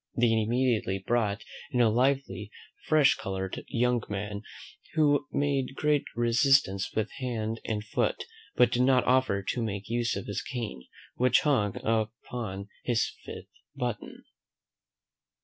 They immediately brought in a lively fresh coloured young man, who made great resistance with hand and foot, but did not offer to make use of his cane, which hung upon his fifth button.